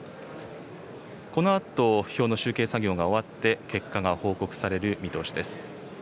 このあと、票の集計作業が終わって、結果が報告される見通しです。